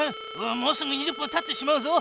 もうすぐ２０分たってしまうぞ。